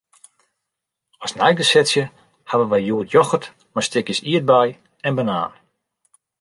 As neigesetsje hawwe wy hjoed yochert mei stikjes ierdbei en banaan.